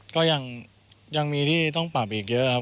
ก็ยังมีที่ต้องปรับอีกเยอะครับ